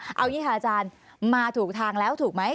เอาอย่างนี้ค่ะอาจารย์มาถูกทางแล้วถูกไหม